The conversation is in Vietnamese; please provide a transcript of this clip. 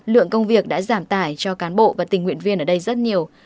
lượng công việc đã giảm tải cho cán bộ và tình nguyện viên ở đây rất nhiều